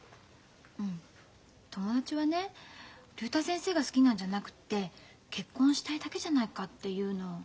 うん友達はね竜太先生が好きなんじゃなくて結婚したいだけじゃないかって言うの。